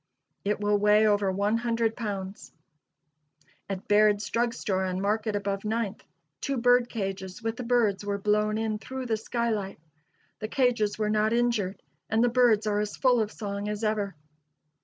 It will weigh over one hundred pounds. At Baird's drug store on Market above Ninth, two bird cages with the birds were blown in through the skylight. The cages were not injured, and the birds are as full of song as ever.